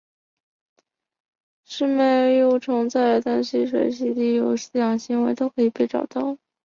石蛾幼虫在淡水栖息地的所有饲养行会都可以被找到。